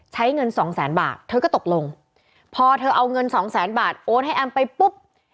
ใช้เงินสองแสนบาทเธอก็ตกลงพอเธอเอาเงินสองแสนบาทโอนให้แอมไปปุ๊บ